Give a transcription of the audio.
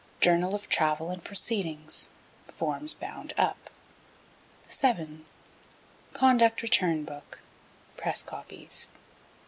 Journal of travel and proceedings (forms bound up.) 7. Conduct Return Book (press copies).